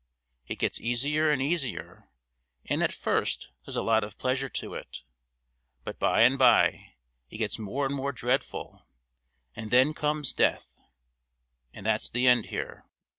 It gets easier and easier, and at first there's a lot of pleasure to it, but by and by it gets more and more dreadful, and then comes death, and that's the end here.